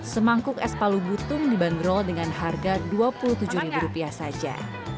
semangkuk es palu butung dibanderol dengan harga rp dua puluh tujuh saja